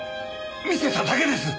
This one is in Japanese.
見せただけです。